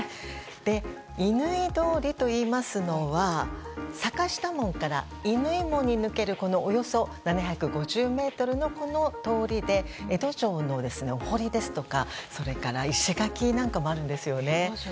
乾通りといいますのは坂下門から乾門に抜けるおよそ７５０ｍのこの通りで都庁のお堀や、それから石垣なんかもあるんですよね。